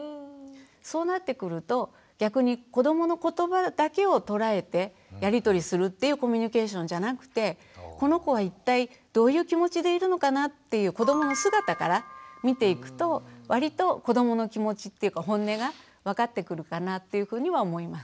そうなってくると逆に子どもの言葉だけをとらえてやり取りするっていうコミュニケーションじゃなくてこの子は一体どういう気持ちでいるのかなっていう子どもの姿から見ていくとわりと子どもの気持ちっていうかホンネが分かってくるかなっていうふうには思います。